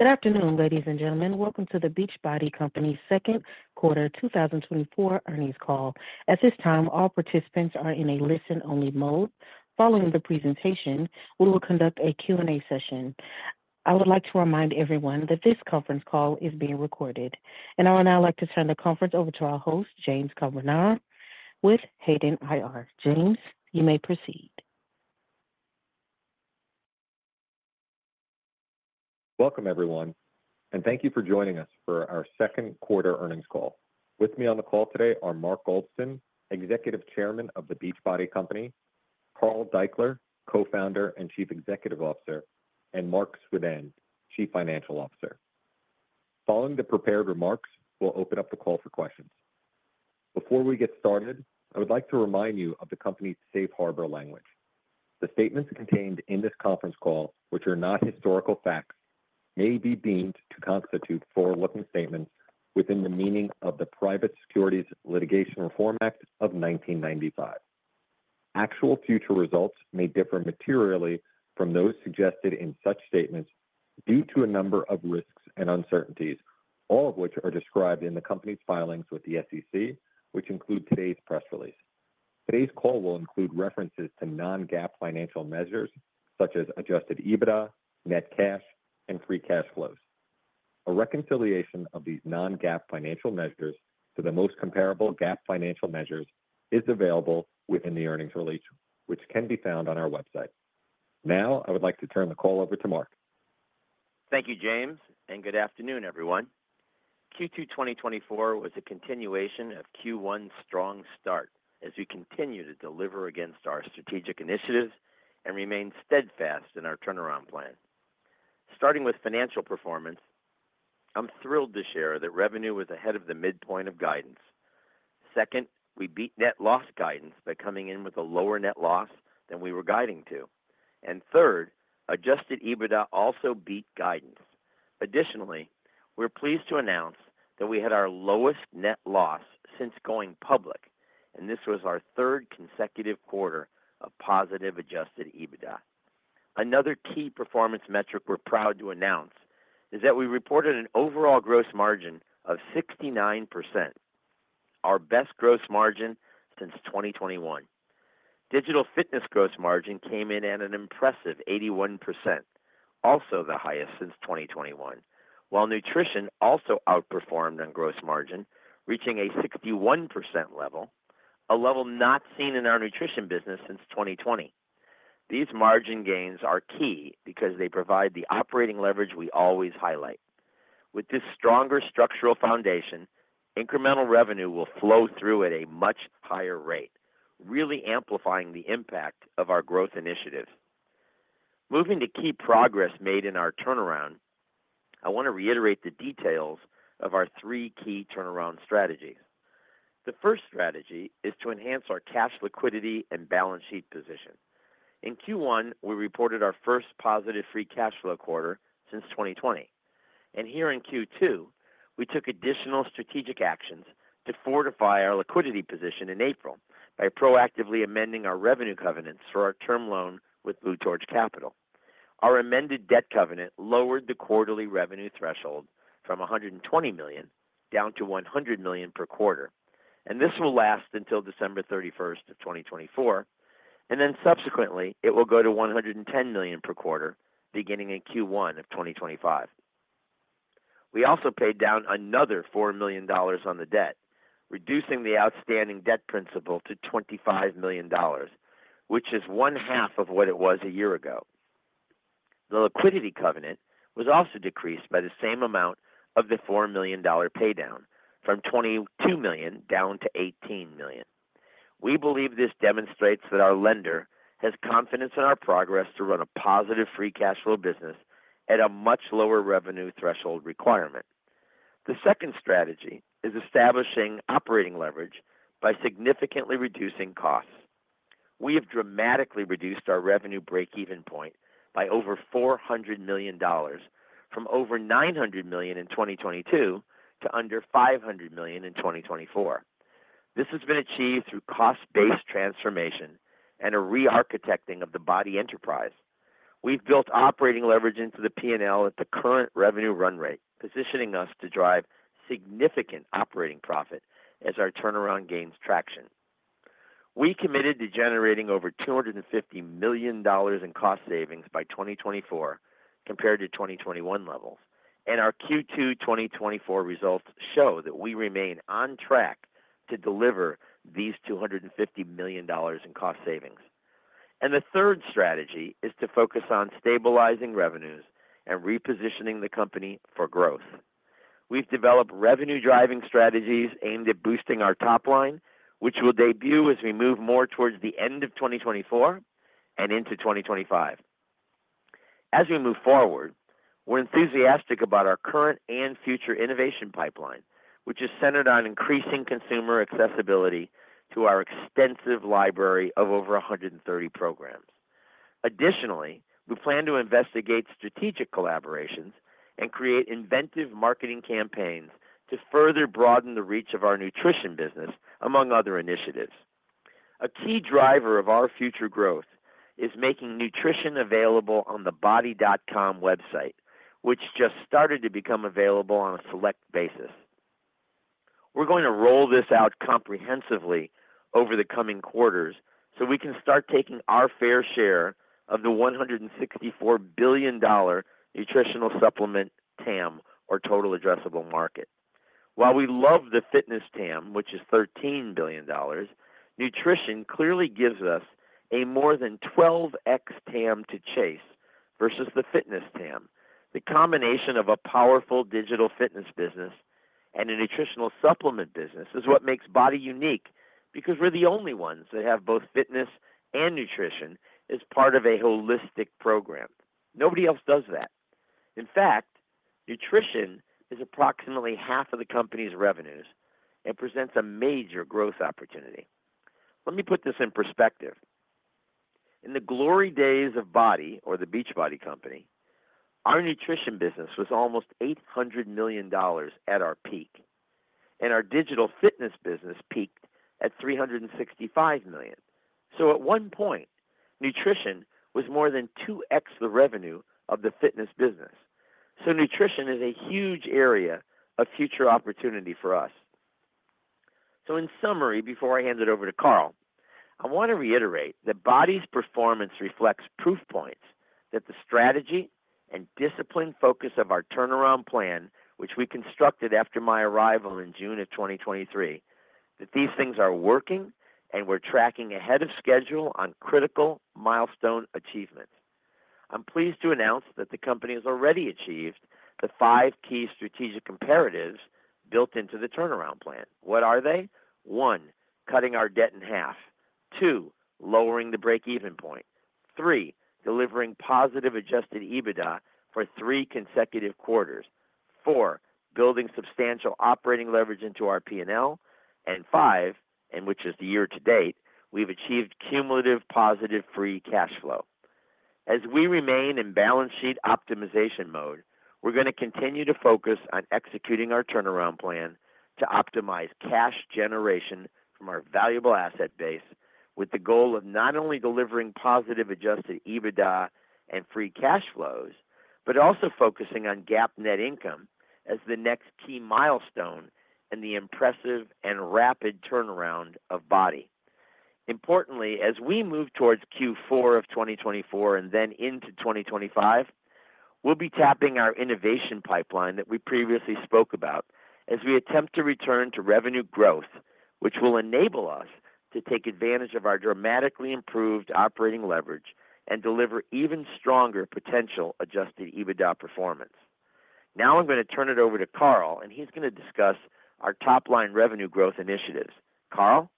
Good afternoon, ladies and gentlemen. Welcome to The Beachbody Company's second quarter 2024 earnings call. At this time, all participants are in a listen-only mode. Following the presentation, we will conduct a Q&A session. I would like to remind everyone that this conference call is being recorded, and I would now like to turn the conference over to our host, James Carbonara, with Hayden IR. James, you may proceed. Welcome, everyone, and thank you for joining us for our second quarter earnings call. With me on the call today are Mark Goldston, Executive Chairman of The Beachbody Company, Carl Daikeler, Co-founder and Chief Executive Officer, and Marc Suidan, Chief Financial Officer. Following the prepared remarks, we'll open up the call for questions. Before we get started, I would like to remind you of the company's safe harbor language. The statements contained in this conference call, which are not historical facts, may be deemed to constitute forward-looking statements within the meaning of the Private Securities Litigation Reform Act of 1995. Actual future results may differ materially from those suggested in such statements due to a number of risks and uncertainties, all of which are described in the company's filings with the SEC, which include today's press release. Today's call will include references to non-GAAP financial measures such as Adjusted EBITDA, net cash, and free cash flows. A reconciliation of these non-GAAP financial measures to the most comparable GAAP financial measures is available within the earnings release, which can be found on our website. Now, I would like to turn the call over to Mark. Thank you, James, and good afternoon, everyone. Q2 2024 was a continuation of Q1's strong start as we continue to deliver against our strategic initiatives and remain steadfast in our turnaround plan. Starting with financial performance, I'm thrilled to share that revenue was ahead of the midpoint of guidance. Second, we beat net loss guidance by coming in with a lower net loss than we were guiding to. And third, Adjusted EBITDA also beat guidance. Additionally, we're pleased to announce that we had our lowest net loss since going public, and this was our third consecutive quarter of positive Adjusted EBITDA. Another key performance metric we're proud to announce is that we reported an overall Gross Margin of 69%, our best Gross Margin since 2021. Digital fitness Gross Margin came in at an impressive 81%, also the highest since 2021. While nutrition also outperformed on gross margin, reaching a 61% level, a level not seen in our nutrition business since 2020. These margin gains are key because they provide the operating leverage we always highlight. With this stronger structural foundation, incremental revenue will flow through at a much higher rate, really amplifying the impact of our growth initiatives. Moving to key progress made in our turnaround, I want to reiterate the details of our three key turnaround strategies. The first strategy is to enhance our cash liquidity and balance sheet position. In Q1, we reported our first positive free cash flow quarter since 2020, and here in Q2, we took additional strategic actions to fortify our liquidity position in April by proactively amending our revenue covenants for our term loan with Blue Torch Capital. Our amended debt covenant lowered the quarterly revenue threshold from $120 million down to $100 million per quarter, and this will last until December 31, 2024, and then subsequently, it will go to $110 million per quarter, beginning in Q1 of 2025. We also paid down another $4 million on the debt, reducing the outstanding debt principal to $25 million, which is one half of what it was a year ago. The liquidity covenant was also decreased by the same amount of the $4 million pay down from 22 million down to 18 million. We believe this demonstrates that our lender has confidence in our progress to run a positive free cash flow business at a much lower revenue threshold requirement. The second strategy is establishing operating leverage by significantly reducing costs. We have dramatically reduced our revenue break-even point by over $400 million, from over $900 million in 2022 to under $500 million in 2024. This has been achieved through cost-based transformation and a re-architecting of the Beachbody enterprise. We've built operating leverage into the P&L at the current revenue run rate, positioning us to drive significant operating profit as our turnaround gains traction. We committed to generating over $250 million in cost savings by 2024 compared to 2021 levels, and our Q2 2024 results show that we remain on track to deliver these $250 million in cost savings. The third strategy is to focus on stabilizing revenues and repositioning the company for growth. We've developed revenue-driving strategies aimed at boosting our top line, which will debut as we move more towards the end of 2024 and into 2025. As we move forward, we're enthusiastic about our current and future innovation pipeline, which is centered on increasing consumer accessibility to our extensive library of over 130 programs. Additionally, we plan to investigate strategic collaborations and create inventive marketing campaigns to further broaden the reach of our nutrition business, among other initiatives.... A key driver of our future growth is making nutrition available on the BODi.com website, which just started to become available on a select basis. We're going to roll this out comprehensively over the coming quarters, so we can start taking our fair share of the $164 billion nutritional supplement TAM, or total addressable market. While we love the fitness TAM, which is $13 billion, nutrition clearly gives us a more than 12x TAM to chase versus the fitness TAM. The combination of a powerful digital fitness business and a nutritional supplement business is what makes BODi unique, because we're the only ones that have both fitness and nutrition as part of a holistic program. Nobody else does that. In fact, nutrition is approximately half of the company's revenues and presents a major growth opportunity. Let me put this in perspective. In the glory days of BODi or The Beachbody Company, our nutrition business was almost $800 million at our peak, and our digital fitness business peaked at $365 million. So at one point, nutrition was more than 2x the revenue of the fitness business. So nutrition is a huge area of future opportunity for us. So in summary, before I hand it over to Carl, I want to reiterate that BODi's performance reflects proof points, that the strategy and discipline focus of our turnaround plan, which we constructed after my arrival in June 2023, that these things are working and we're tracking ahead of schedule on critical milestone achievements. I'm pleased to announce that the company has already achieved the five key strategic comparatives built into the turnaround plan. What are they? One, cutting our debt in half. Two, lowering the break-even point. Three, delivering positive Adjusted EBITDA for three consecutive quarters. Four, building substantial operating leverage into our P&L. And five, and which is the year to date, we've achieved cumulative positive free cash flow. As we remain in balance sheet optimization mode, we're gonna continue to focus on executing our turnaround plan to optimize cash generation from our valuable asset base, with the goal of not only delivering positive Adjusted EBITDA and free cash flows, but also focusing on GAAP net income as the next key milestone in the impressive and rapid turnaround of BODi. Importantly, as we move towards Q4 of 2024 and then into 2025, we'll be tapping our innovation pipeline that we previously spoke about as we attempt to return to revenue growth, which will enable us to take advantage of our dramatically improved operating leverage and deliver even stronger potential Adjusted EBITDA performance. Now I'm gonna turn it over to Carl, and he's gonna discuss our top-line revenue growth initiatives. Carl?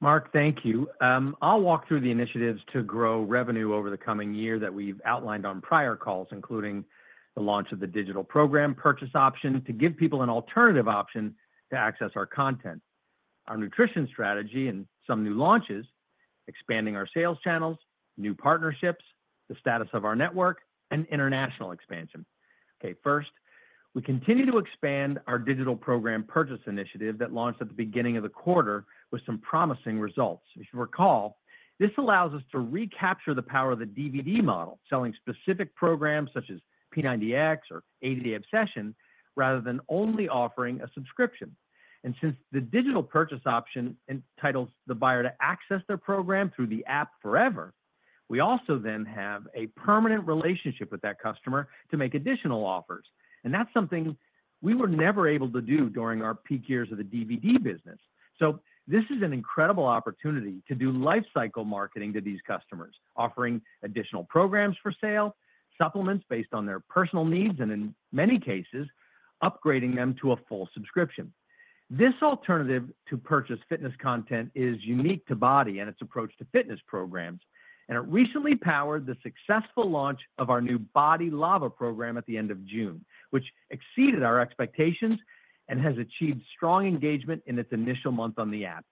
Mark, thank you. I'll walk through the initiatives to grow revenue over the coming year that we've outlined on prior calls, including the launch of the digital program purchase option, to give people an alternative option to access our content, our nutrition strategy and some new launches, expanding our sales channels, new partnerships, the status of our network, and international expansion. Okay, first, we continue to expand our digital program purchase initiative that launched at the beginning of the quarter with some promising results. If you recall, this allows us to recapture the power of the DVD model, selling specific programs such as P90X or 80 Day Obsession, rather than only offering a subscription. And since the digital purchase option entitles the buyer to access their program through the app forever, we also then have a permanent relationship with that customer to make additional offers. That's something we were never able to do during our peak years of the DVD business. This is an incredible opportunity to do lifecycle marketing to these customers, offering additional programs for sale, supplements based on their personal needs, and in many cases, upgrading them to a full subscription. This alternative to purchase fitness content is unique to BODi and its approach to fitness programs, and it recently powered the successful launch of our new BODi LAVA program at the end of June, which exceeded our expectations and has achieved strong engagement in its initial month on the app.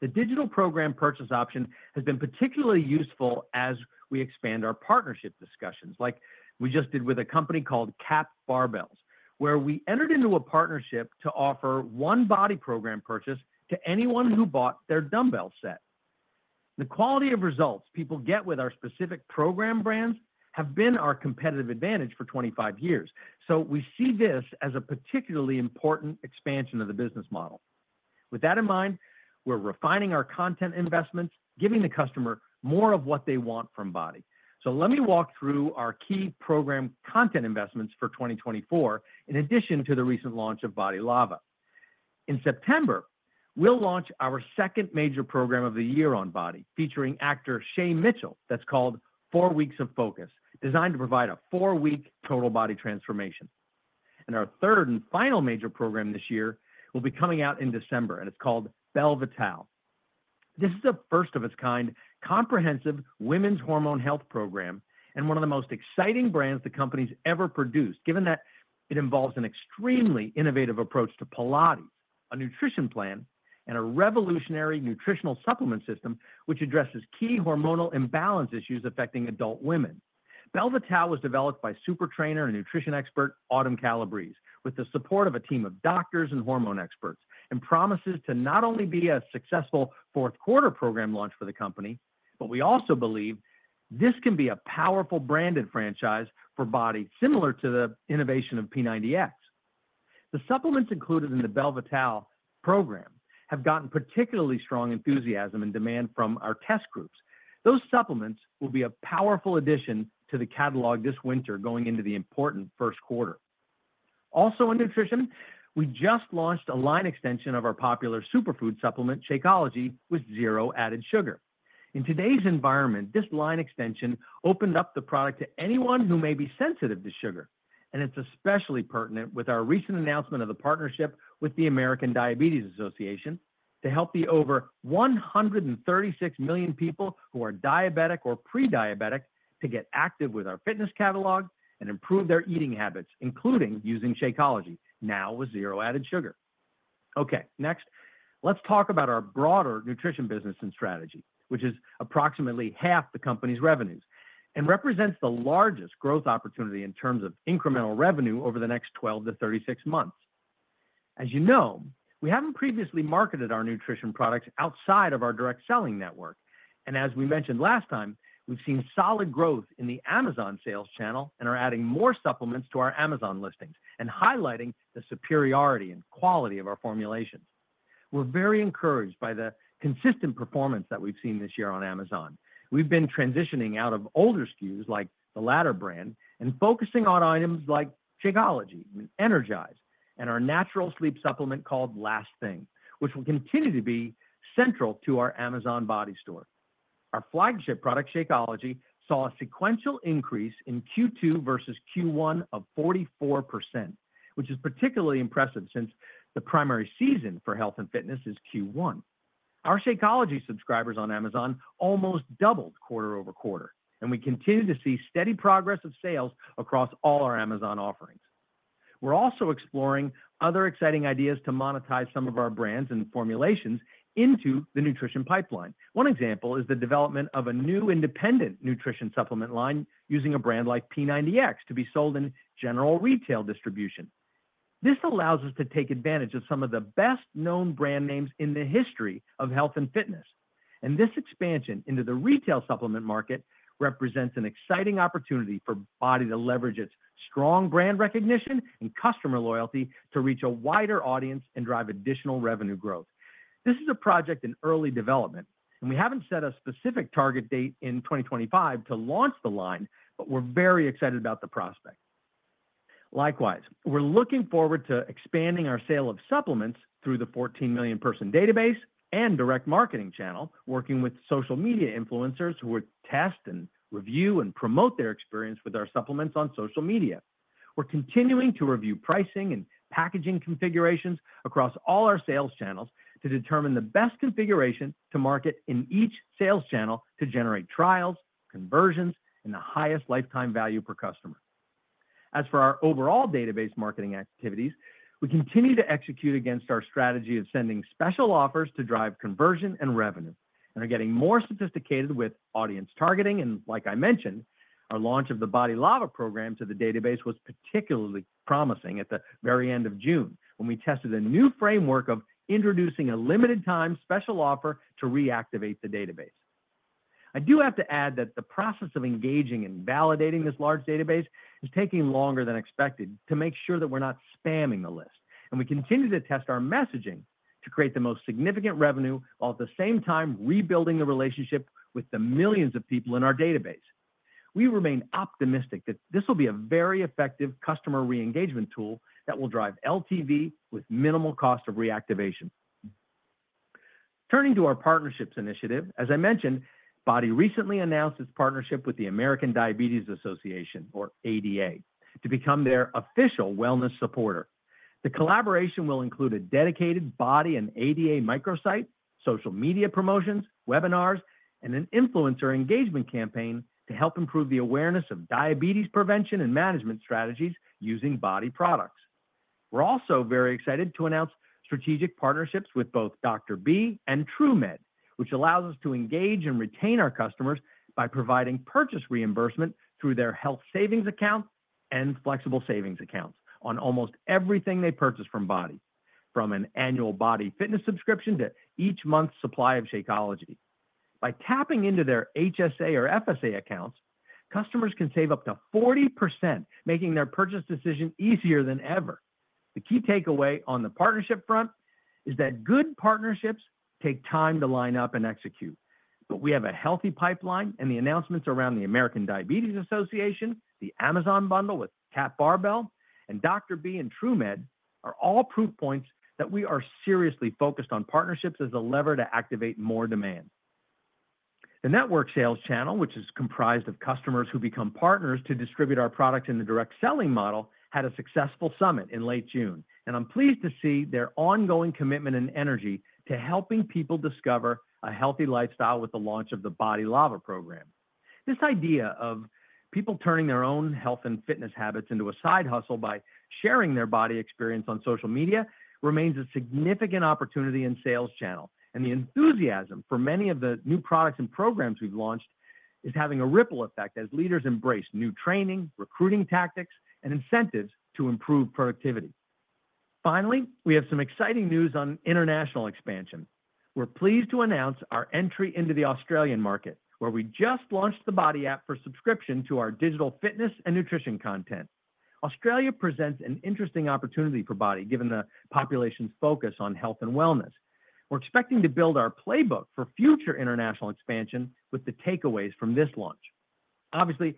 The digital program purchase option has been particularly useful as we expand our partnership discussions, like we just did with a company called CAP Barbell, where we entered into a partnership to offer one BODi program purchase to anyone who bought their dumbbell set. The quality of results people get with our specific program brands have been our competitive advantage for 25 years, so we see this as a particularly important expansion of the business model. With that in mind, we're refining our content investments, giving the customer more of what they want from BODi. So let me walk through our key program content investments for 2024, in addition to the recent launch of BODi LAVA. In September, we'll launch our second major program of the year on BODi, featuring actor Shay Mitchell, that's called 4 Weeks of Focus, designed to provide a four-week total body transformation. Our third and final major program this year will be coming out in December, and it's called Belle Vitale. This is a first-of-its-kind, comprehensive women's hormone health program and one of the most exciting brands the company's ever produced, given that it involves an extremely innovative approach to Pilates, a nutrition plan, and a revolutionary nutritional supplement system, which addresses key hormonal imbalance issues affecting adult women... Belle Vitale was developed by super trainer and nutrition expert, Autumn Calabrese, with the support of a team of doctors and hormone experts, and promises to not only be a successful fourth quarter program launch for the company, but we also believe this can be a powerful branded franchise for BODi, similar to the innovation of P90X. The supplements included in the Belle Vitale program have gotten particularly strong enthusiasm and demand from our test groups. Those supplements will be a powerful addition to the catalog this winter, going into the important first quarter. Also, in nutrition, we just launched a line extension of our popular superfood supplement, Shakeology, with zero added sugar. In today's environment, this line extension opened up the product to anyone who may be sensitive to sugar, and it's especially pertinent with our recent announcement of the partnership with the American Diabetes Association to help the over 136 million people who are diabetic or pre-diabetic to get active with our fitness catalog and improve their eating habits, including using Shakeology, now with zero added sugar. Okay, next, let's talk about our broader nutrition business and strategy, which is approximately half the company's revenues and represents the largest growth opportunity in terms of incremental revenue over the next 12 to 36 months. As you know, we haven't previously marketed our nutrition products outside of our direct selling network, and as we mentioned last time, we've seen solid growth in the Amazon sales channel and are adding more supplements to our Amazon listings and highlighting the superiority and quality of our formulations. We're very encouraged by the consistent performance that we've seen this year on Amazon. We've been transitioning out of older SKUs, like the Ladder brand, and focusing on items like Shakeology, Energize, and our natural sleep supplement called Last Thing, which will continue to be central to our Amazon BODi store. Our flagship product, Shakeology, saw a sequential increase in Q2 versus Q1 of 44%, which is particularly impressive since the primary season for health and fitness is Q1. Our Shakeology subscribers on Amazon almost doubled quarter over quarter, and we continue to see steady progress of sales across all our Amazon offerings. We're also exploring other exciting ideas to monetize some of our brands and formulations into the nutrition pipeline. One example is the development of a new independent nutrition supplement line using a brand like P90X to be sold in general retail distribution. This allows us to take advantage of some of the best-known brand names in the history of health and fitness, and this expansion into the retail supplement market represents an exciting opportunity for BODi to leverage its strong brand recognition and customer loyalty to reach a wider audience and drive additional revenue growth. This is a project in early development, and we haven't set a specific target date in 2025 to launch the line, but we're very excited about the prospect. Likewise, we're looking forward to expanding our sale of supplements through the 14 million-person database and direct marketing channel, working with social media influencers who would test and review and promote their experience with our supplements on social media. We're continuing to review pricing and packaging configurations across all our sales channels to determine the best configuration to market in each sales channel to generate trials, conversions, and the highest lifetime value per customer. As for our overall database marketing activities, we continue to execute against our strategy of sending special offers to drive conversion and revenue, and are getting more sophisticated with audience targeting. Like I mentioned, our launch of the BODi LAVA program to the database was particularly promising at the very end of June, when we tested a new framework of introducing a limited time special offer to reactivate the database. I do have to add that the process of engaging and validating this large database is taking longer than expected to make sure that we're not spamming the list, and we continue to test our messaging to create the most significant revenue, while at the same time rebuilding the relationship with the millions of people in our database. We remain optimistic that this will be a very effective customer re-engagement tool that will drive LTV with minimal cost of reactivation. Turning to our partnerships initiative, as I mentioned, BODi recently announced its partnership with the American Diabetes Association, or ADA, to become their official wellness supporter. The collaboration will include a dedicated BODi and ADA microsite, social media promotions, webinars, and an influencer engagement campaign to help improve the awareness of diabetes prevention and management strategies using BODi products. We're also very excited to announce strategic partnerships with both Dr. B and TrueMed, which allows us to engage and retain our customers by providing purchase reimbursement through their health savings accounts and flexible spending accounts on almost everything they purchase from BODi, from an annual BODi fitness subscription to each month's supply of Shakeology. By tapping into their HSA or FSA accounts, customers can save up to 40%, making their purchase decision easier than ever. The key takeaway on the partnership front is that good partnerships take time to line up and execute, but we have a healthy pipeline, and the announcements around the American Diabetes Association, the Amazon bundle with CAP Barbell, and Dr. B and TrueMed are all proof points that we are seriously focused on partnerships as a lever to activate more demand. The network sales channel, which is comprised of customers who become partners to distribute our products in the direct selling model, had a successful summit in late June, and I'm pleased to see their ongoing commitment and energy to helping people discover a healthy lifestyle with the launch of the BODi LAVA program. This idea of people turning their own health and fitness habits into a side hustle by sharing their BODi experience on social media remains a significant opportunity and sales channel. The enthusiasm for many of the new products and programs we've launched is having a ripple effect as leaders embrace new training, recruiting tactics, and incentives to improve productivity. Finally, we have some exciting news on international expansion. We're pleased to announce our entry into the Australian market, where we just launched the BODi app for subscription to our digital fitness and nutrition content. Australia presents an interesting opportunity for BODi, given the population's focus on health and wellness. We're expecting to build our playbook for future international expansion with the takeaways from this launch. Obviously,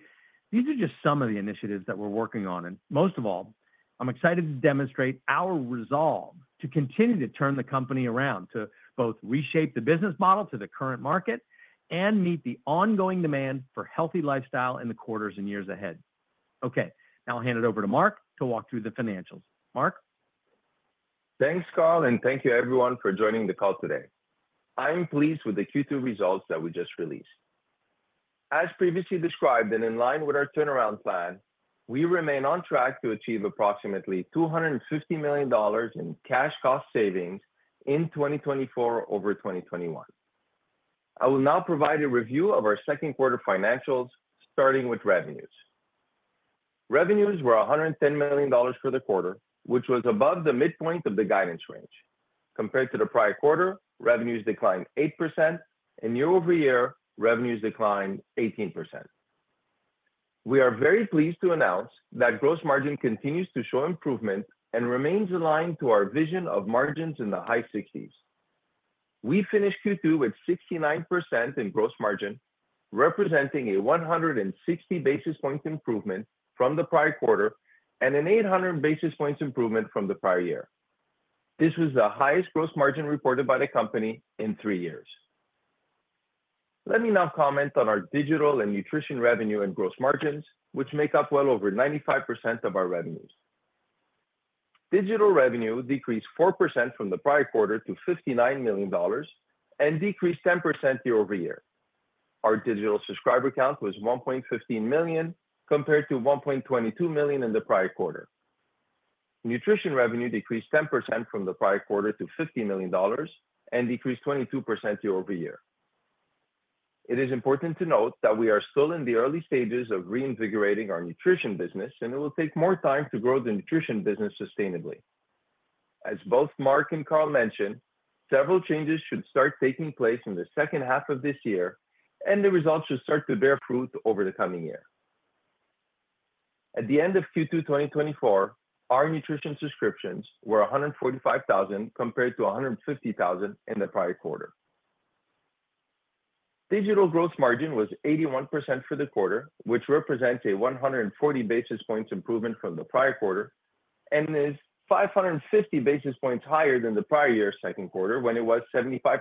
these are just some of the initiatives that we're working on, and most of all, I'm excited to demonstrate our resolve to continue to turn the company around, to both reshape the business model to the current market and meet the ongoing demand for healthy lifestyle in the quarters and years ahead. Okay, now I'll hand it over to Marc to walk through the financials. Marc? Thanks, Carl, and thank you everyone for joining the call today. I am pleased with the Q2 results that we just released. As previously described and in line with our turnaround plan, we remain on track to achieve approximately $250 million in cash cost savings in 2024 over 2021. I will now provide a review of our second quarter financials, starting with revenues. Revenues were $110 million for the quarter, which was above the midpoint of the guidance range. Compared to the prior quarter, revenues declined 8%, and year-over-year, revenues declined 18%. We are very pleased to announce that gross margin continues to show improvement and remains aligned to our vision of margins in the high sixties. We finished Q2 with 69% in gross margin, representing a 160 basis point improvement from the prior quarter and an 800 basis points improvement from the prior year. This was the highest gross margin reported by the company in three years. Let me now comment on our digital and nutrition revenue and gross margins, which make up well over 95% of our revenues. Digital revenue decreased 4% from the prior quarter to $59 million and decreased 10% year over year. Our digital subscriber count was 1.15 million, compared to 1.22 million in the prior quarter. Nutrition revenue decreased 10% from the prior quarter to $50 million and decreased 22% year over year. It is important to note that we are still in the early stages of reinvigorating our nutrition business, and it will take more time to grow the nutrition business sustainably. As both Mark and Carl mentioned, several changes should start taking place in the second half of this year, and the results should start to bear fruit over the coming year. At the end of Q2 2024, our nutrition subscriptions were 145,000, compared to 150,000 in the prior quarter. Digital gross margin was 81% for the quarter, which represents a 140 basis points improvement from the prior quarter and is 550 basis points higher than the prior year's second quarter, when it was 75%.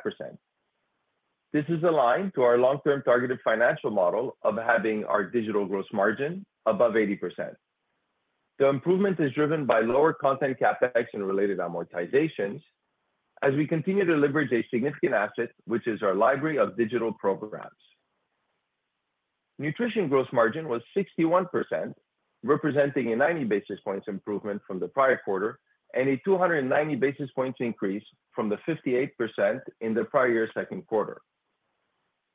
This is aligned to our long-term targeted financial model of having our digital gross margin above 80%. The improvement is driven by lower content CapEx and related amortizations as we continue to leverage a significant asset, which is our library of digital programs. Nutrition gross margin was 61%, representing a 90 basis points improvement from the prior quarter and a 290 basis points increase from the 58% in the prior year's second quarter.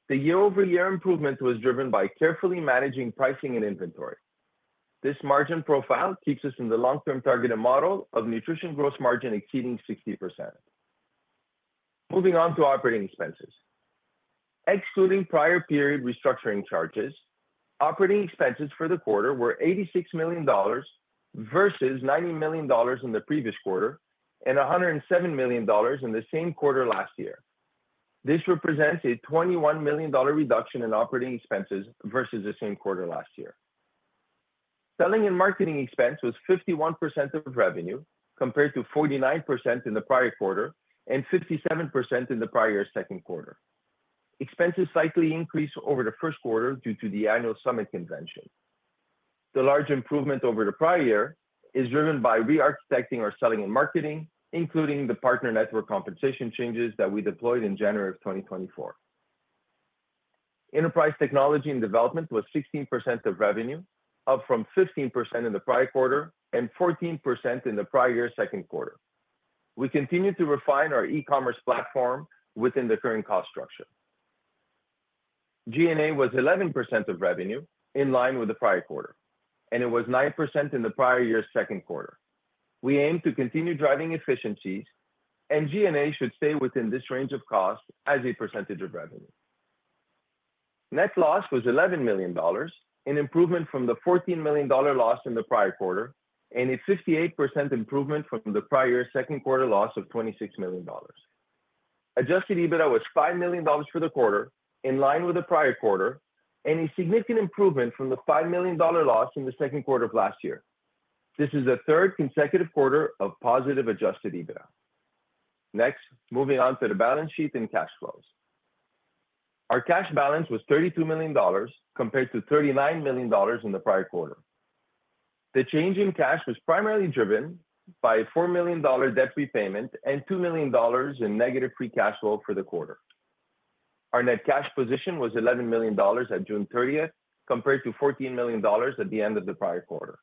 The year-over-year improvement was driven by carefully managing pricing and inventory. This margin profile keeps us in the long-term targeted model of nutrition gross margin exceeding 60%. Moving on to operating expenses. Excluding prior period restructuring charges, operating expenses for the quarter were $86 million versus $90 million in the previous quarter and $107 million in the same quarter last year. This represents a $21 million reduction in operating expenses versus the same quarter last year. Selling and marketing expense was 51% of revenue, compared to 49% in the prior quarter and 57% in the prior year's second quarter. Expenses slightly increased over the first quarter due to the annual summit convention. The large improvement over the prior year is driven by re-architecting our selling and marketing, including the partner network compensation changes that we deployed in January of 2024. Enterprise technology and development was 16% of revenue, up from 15% in the prior quarter and 14% in the prior year's second quarter. We continue to refine our e-commerce platform within the current cost structure. G&A was 11% of revenue, in line with the prior quarter, and it was 9% in the prior year's second quarter. We aim to continue driving efficiencies, and G&A should stay within this range of cost as a percentage of revenue. Net loss was $11 million, an improvement from the $14 million loss in the prior quarter, and a 58% improvement from the prior year's second quarter loss of $26 million. Adjusted EBITDA was $5 million for the quarter, in line with the prior quarter, and a significant improvement from the $5 million loss in the second quarter of last year. This is the third consecutive quarter of positive adjusted EBITDA. Next, moving on to the balance sheet and cash flows. Our cash balance was $32 million, compared to $39 million in the prior quarter. The change in cash was primarily driven by a $4 million debt repayment and $2 million in negative free cash flow for the quarter. Our net cash position was $11 million on June thirtieth, compared to $14 million at the end of the prior quarter.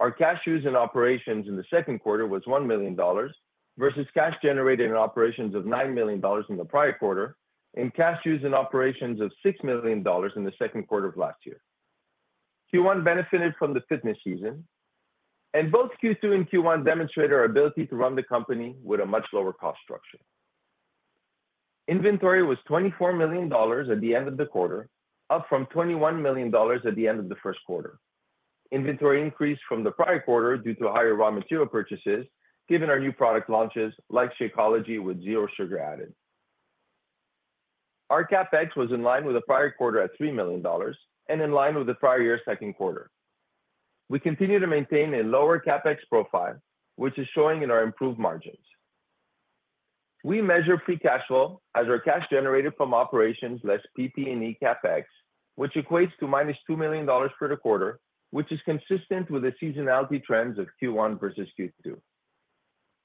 Our cash use in operations in the second quarter was $1 million, versus cash generated in operations of $9 million in the prior quarter and cash use in operations of $6 million in the second quarter of last year. Q1 benefited from the fitness season, and both Q2 and Q1 demonstrate our ability to run the company with a much lower cost structure. Inventory was $24 million at the end of the quarter, up from $21 million at the end of the first quarter. Inventory increased from the prior quarter due to higher raw material purchases, given our new product launches, like Shakeology, with zero sugar added. Our CapEx was in line with the prior quarter at $3 million and in line with the prior year's second quarter. We continue to maintain a lower CapEx profile, which is showing in our improved margins. We measure free cash flow as our cash generated from operations, less PP&E CapEx, which equates to -$2 million for the quarter, which is consistent with the seasonality trends of Q1 versus Q2.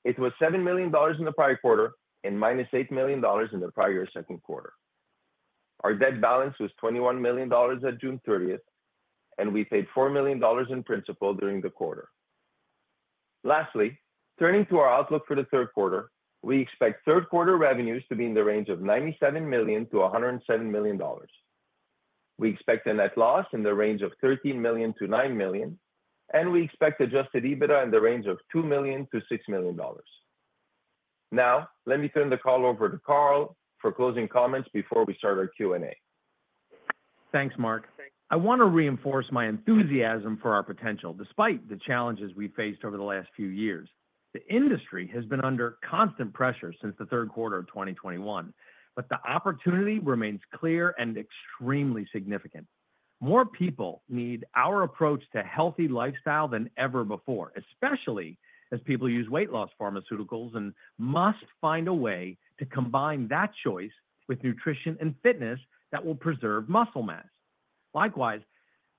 It was $7 million in the prior quarter and -$8 million in the prior year's second quarter. Our debt balance was $21 million at June 30, and we paid $4 million in principal during the quarter. Lastly, turning to our outlook for the third quarter, we expect third quarter revenues to be in the range of $97 million-$107 million. We expect a net loss in the range of $13 million-$9 million, and we expect Adjusted EBITDA in the range of $2 million-$6 million. Now, let me turn the call over to Carl for closing comments before we start our Q&A. Thanks, Marc. I want to reinforce my enthusiasm for our potential, despite the challenges we've faced over the last few years. The industry has been under constant pressure since the third quarter of 2021, but the opportunity remains clear and extremely significant. More people need our approach to healthy lifestyle than ever before, especially as people use weight loss pharmaceuticals and must find a way to combine that choice with nutrition and fitness that will preserve muscle mass. Likewise,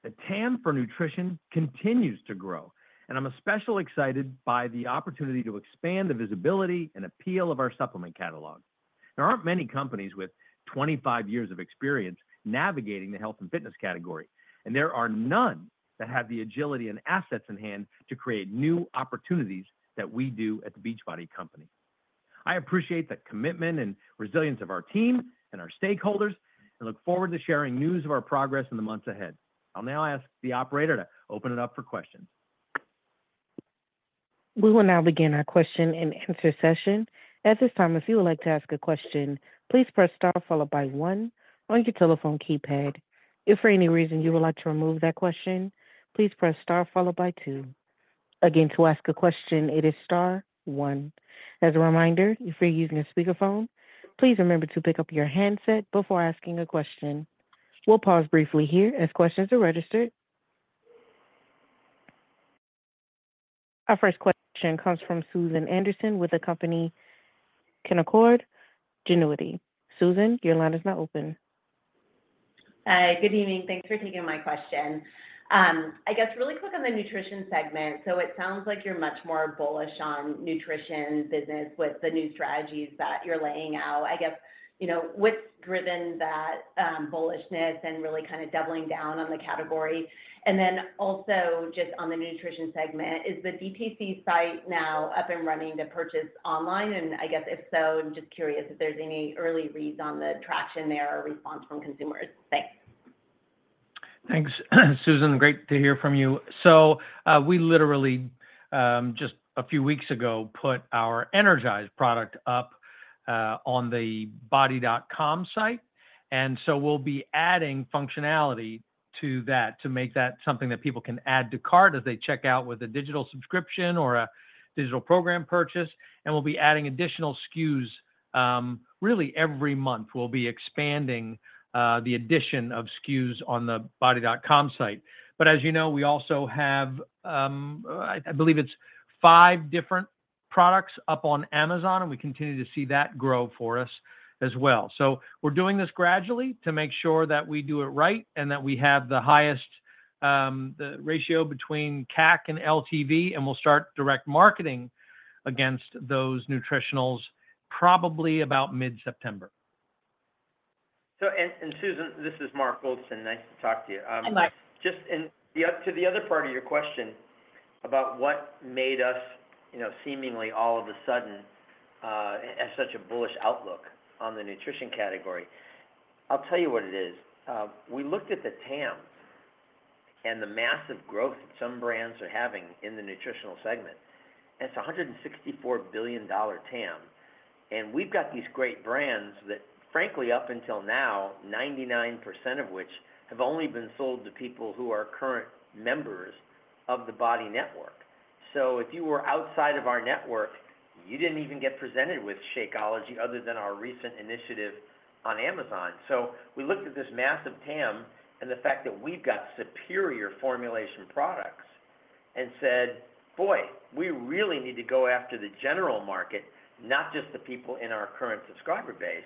the TAM for nutrition continues to grow, and I'm especially excited by the opportunity to expand the visibility and appeal of our supplement catalog. There aren't many companies with 25 years of experience navigating the health and fitness category, and there are none that have the agility and assets in hand to create new opportunities that we do at The Beachbody Company. I appreciate the commitment and resilience of our team and our stakeholders and look forward to sharing news of our progress in the months ahead. I'll now ask the operator to open it up for questions. We will now begin our question-and-answer session. At this time, if you would like to ask a question, please press star followed by one on your telephone keypad. If for any reason you would like to remove that question, please press star followed by two. Again, to ask a question, it is star one. As a reminder, if you're using a speakerphone, please remember to pick up your handset before asking a question. We'll pause briefly here as questions are registered. Our first question comes from Susan Anderson with the company Canaccord Genuity. Susan, your line is now open. Hi. Good evening. Thanks for taking my question. I guess really quick on the nutrition segment. So it sounds like you're much more bullish on nutrition business with the new strategies that you're laying out. I guess, you know, what's driven that bullishness and really kind of doubling down on the category? And then also, just on the nutrition segment, is the DTC site now up and running to purchase online? And I guess, if so, I'm just curious if there's any early reads on the traction there or response from consumers. Thanks. Thanks, Susan, great to hear from you. So, we literally just a few weeks ago put our Energize product up on the BODi.com site, and so we'll be adding functionality to that to make that something that people can add to cart as they check out with a digital subscription or a digital program purchase, and we'll be adding additional SKUs really every month. We'll be expanding the addition of SKUs on the BODi.com site. But as you know, we also have, I believe it's five different products up on Amazon, and we continue to see that grow for us as well. So we're doing this gradually to make sure that we do it right and that we have the highest the ratio between CAC and LTV, and we'll start direct marketing against those nutritionals probably about mid-September. Susan, this is Mark Goldston. Nice to talk to you. Hi, Mark. Just to the other part of your question about what made us, you know, seemingly all of a sudden as such a bullish outlook on the nutrition category. I'll tell you what it is. We looked at the TAM and the massive growth that some brands are having in the nutritional segment, and it's a $164 billion TAM. And we've got these great brands that frankly, up until now, 99% of which have only been sold to people who are current members of the BODi network. So if you were outside of our network, you didn't even get presented with Shakeology other than our recent initiative on Amazon. So we looked at this massive TAM and the fact that we've got superior formulation products and said, "Boy, we really need to go after the general market, not just the people in our current subscriber base."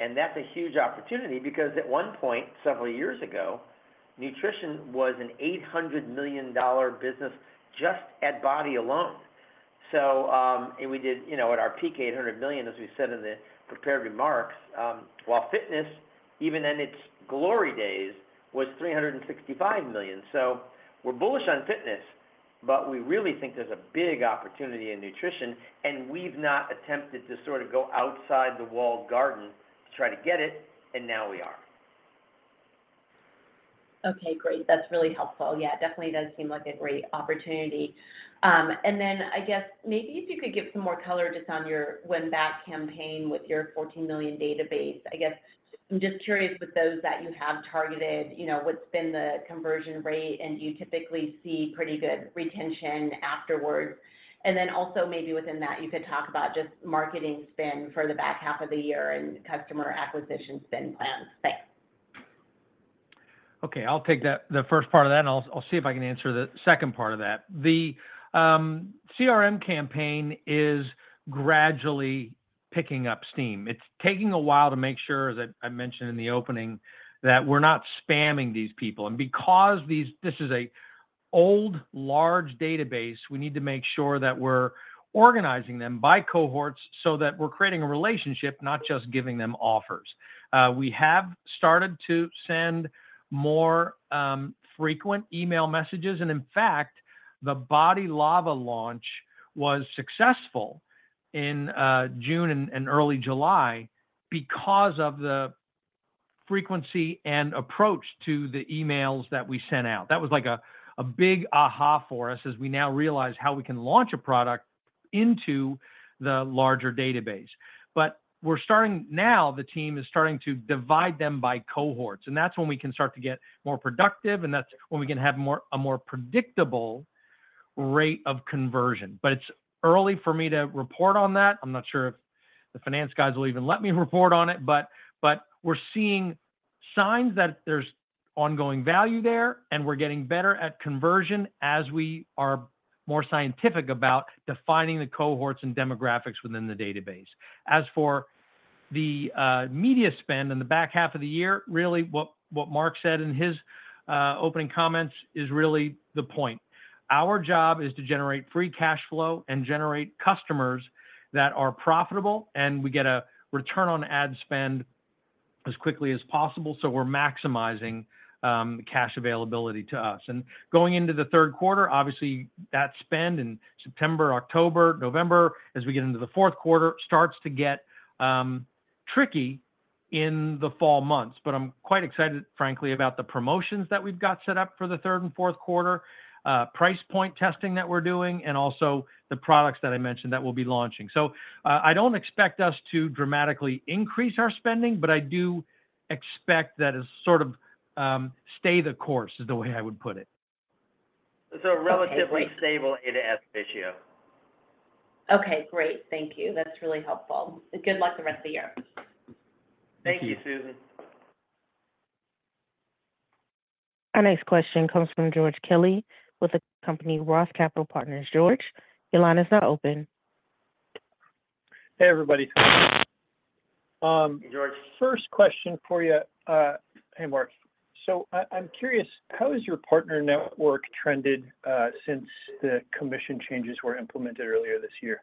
And that's a huge opportunity because at one point, several years ago, nutrition was an $800 million business just at BODi alone. So, and we did, you know, at our peak, $800 million, as we said in the prepared remarks, while fitness, even in its glory days, was $365 million. So we're bullish on fitness.... but we really think there's a big opportunity in nutrition, and we've not attempted to sort of go outside the walled garden to try to get it, and now we are. Okay, great. That's really helpful. Yeah, it definitely does seem like a great opportunity. And then I guess maybe if you could give some more color just on your win-back campaign with your 14 million database. I guess I'm just curious, with those that you have targeted, you know, what's been the conversion rate, and do you typically see pretty good retention afterwards? And then also maybe within that, you could talk about just marketing spend for the back half of the year and customer acquisition spend plans. Thanks. Okay, I'll take that, the first part of that, and I'll see if I can answer the second part of that. The CRM campaign is gradually picking up steam. It's taking a while to make sure that I mention in the opening that we're not spamming these people. And because this is an old, large database, we need to make sure that we're organizing them by cohorts so that we're creating a relationship, not just giving them offers. We have started to send more frequent email messages, and in fact, the BODi LAVA launch was successful in June and early July because of the frequency and approach to the emails that we sent out. That was like a big aha for us, as we now realize how we can launch a product into the larger database. But we're starting... Now, the team is starting to divide them by cohorts, and that's when we can start to get more productive, and that's when we can have a more predictable rate of conversion. But it's early for me to report on that. I'm not sure if the finance guys will even let me report on it, but we're seeing signs that there's ongoing value there, and we're getting better at conversion as we are more scientific about defining the cohorts and demographics within the database. As for the media spend in the back half of the year, really, what Mark said in his opening comments is really the point. Our job is to generate free cash flow and generate customers that are profitable, and we get a return on ad spend as quickly as possible, so we're maximizing cash availability to us. Going into the third quarter, obviously, that spend in September, October, November, as we get into the fourth quarter, starts to get tricky in the fall months. But I'm quite excited, frankly, about the promotions that we've got set up for the third and fourth quarter, price point testing that we're doing, and also the products that I mentioned that we'll be launching. So, I don't expect us to dramatically increase our spending, but I do expect that as sort of stay the course, is the way I would put it. So relatively- Okay, great... stable A-to-S ratio. Okay, great. Thank you. That's really helpful. Good luck the rest of the year. Thank you. Thank you, Susan. Our next question comes from George Kelly with the company Roth Capital Partners. George, your line is now open. Hey, everybody. Hey, George. First question for you, Hey, Mark. So I'm curious, how has your partner network trended since the commission changes were implemented earlier this year?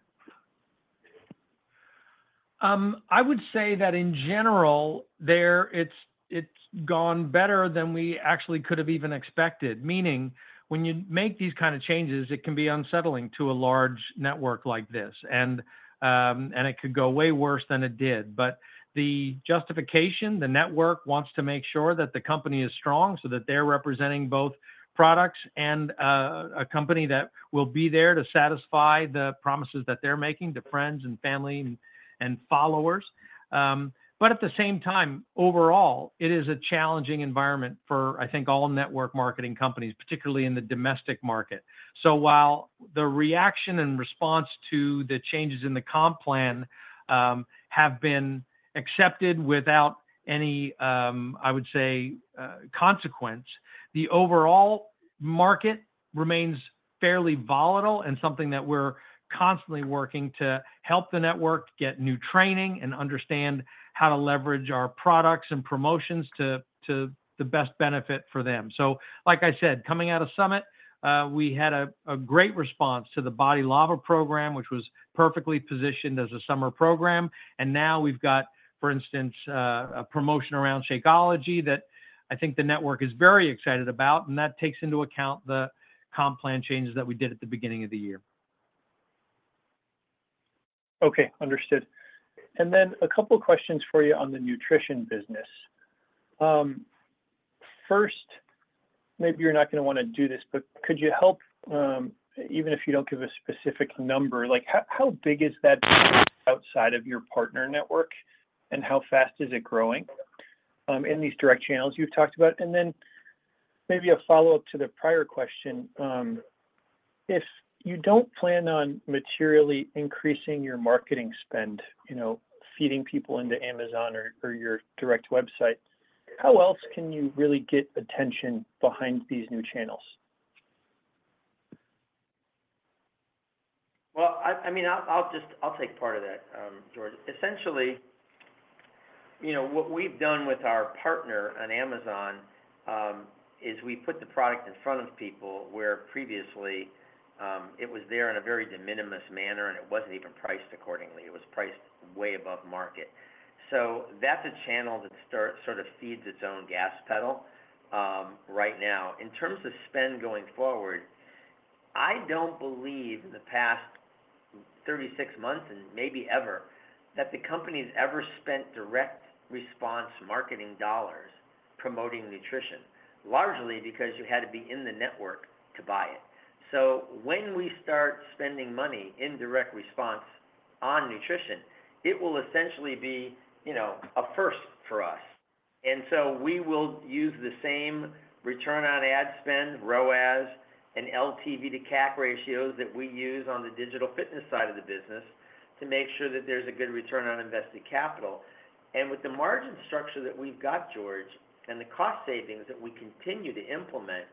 I would say that in general, there, it's gone better than we actually could have even expected, meaning when you make these kind of changes, it can be unsettling to a large network like this. And, and it could go way worse than it did. But the justification, the network wants to make sure that the company is strong so that they're representing both products and a company that will be there to satisfy the promises that they're making to friends and family and followers. But at the same time, overall, it is a challenging environment for, I think, all network marketing companies, particularly in the domestic market. So while the reaction and response to the changes in the comp plan have been accepted without any, I would say, consequence, the overall market remains fairly volatile and something that we're constantly working to help the network get new training and understand how to leverage our products and promotions to the best benefit for them. So like I said, coming out of summit, we had a great response to the BODi LAVA program, which was perfectly positioned as a summer program. And now we've got, for instance, a promotion around Shakeology that I think the network is very excited about, and that takes into account the comp plan changes that we did at the beginning of the year. Okay, understood. And then a couple questions for you on the nutrition business. First, maybe you're not gonna wanna do this, but could you help, even if you don't give a specific number, like how, how big is that outside of your partner network, and how fast is it growing, in these direct channels you've talked about? And then maybe a follow-up to the prior question, if you don't plan on materially increasing your marketing spend, you know, feeding people into Amazon or, or your direct website, how else can you really get attention behind these new channels? Well, I mean, I'll just take part of that, George. Essentially, you know, what we've done with our partner on Amazon is we put the product in front of people, where previously it was there in a very de minimis manner, and it wasn't even priced accordingly. It was priced way above market. So that's a channel that starts to sort of feed its own gas pedal right now. In terms of spend going forward, I don't believe in the past 36 months, and maybe ever, that the company's ever spent direct response marketing dollars promoting nutrition, largely because you had to be in the network to buy it. So when we start spending money in direct response on nutrition, it will essentially be, you know, a first for us. We will use the same return on ad spend, ROAS, and LTV to CAC ratios that we use on the digital fitness side of the business to make sure that there's a good return on invested capital. With the margin structure that we've got, George, and the cost savings that we continue to implement,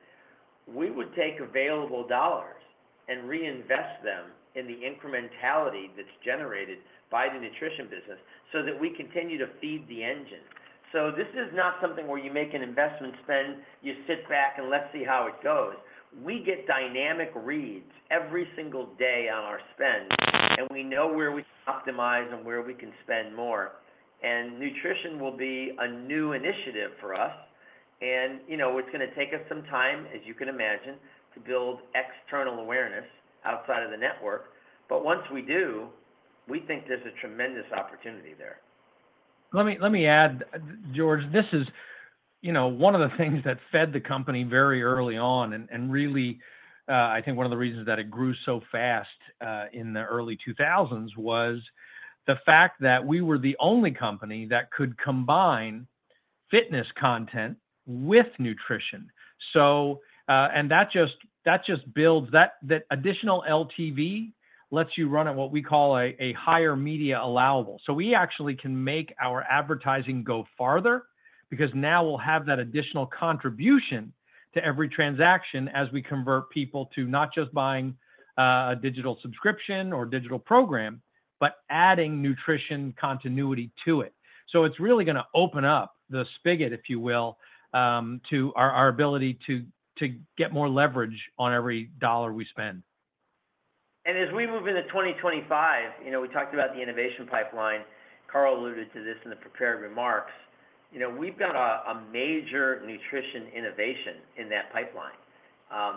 we would take available dollars and reinvest them in the incrementality that's generated by the nutrition business so that we continue to feed the engine. This is not something where you make an investment spend, you sit back and let's see how it goes. We get dynamic reads every single day on our spend, and we know where we optimize and where we can spend more. Nutrition will be a new initiative for us and, you know, it's gonna take us some time, as you can imagine, to build external awareness outside of the network. But once we do, we think there's a tremendous opportunity there. Let me add, George. This is, you know, one of the things that fed the company very early on, and really, I think one of the reasons that it grew so fast in the early 2000s was the fact that we were the only company that could combine fitness content with nutrition. So, and that just builds... That additional LTV lets you run at what we call a higher media allowable. So we actually can make our advertising go farther because now we'll have that additional contribution to every transaction as we convert people to not just buying a digital subscription or digital program, but adding nutrition continuity to it. So it's really gonna open up the spigot, if you will, to our ability to get more leverage on every dollar we spend. And as we move into 2025, you know, we talked about the innovation pipeline, Carl alluded to this in the prepared remarks, you know, we've got a major nutrition innovation in that pipeline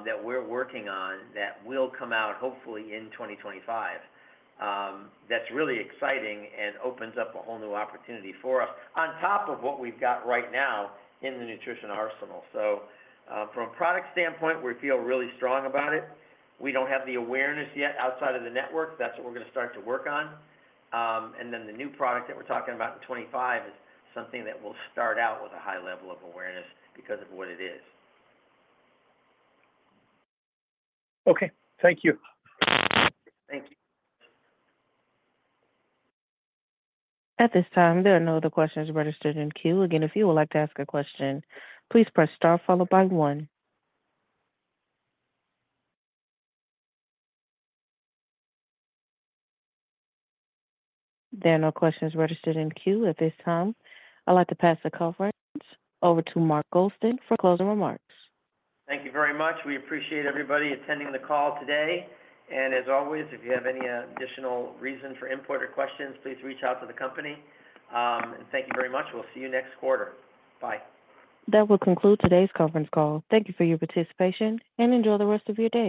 that we're working on that will come out hopefully in 2025, that's really exciting and opens up a whole new opportunity for us on top of what we've got right now in the nutrition arsenal. So, from a product standpoint, we feel really strong about it. We don't have the awareness yet outside of the network. That's what we're gonna start to work on. And then the new product that we're talking about in 2025 is something that will start out with a high level of awareness because of what it is. Okay, thank you. Thank you. At this time, there are no other questions registered in queue. Again, if you would like to ask a question, please press Star followed by one. There are no questions registered in queue at this time. I'd like to pass the conference over to Mark Goldston for closing remarks. Thank you very much. We appreciate everybody attending the call today. As always, if you have any additional reason for input or questions, please reach out to the company. And thank you very much. We'll see you next quarter. Bye. That will conclude today's conference call. Thank you for your participation, and enjoy the rest of your day.